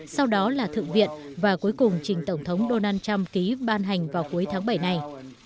sau đó là thượng viện và cuối cùng trình tổng thống donald trump ký ban hành vào cuối tháng bảy này